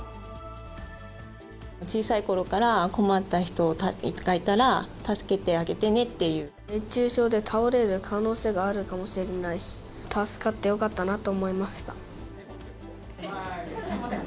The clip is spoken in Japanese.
小さいころから、困った人がいたら、熱中症で倒れる可能性があるかもしれないし、助かってよかったなと思いました。